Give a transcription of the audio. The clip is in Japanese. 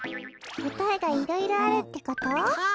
こたえがいろいろあるってこと？か！